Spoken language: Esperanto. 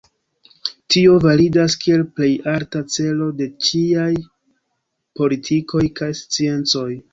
Tio validas kiel plej alta celo de ĉiaj politikoj kaj sciencoj.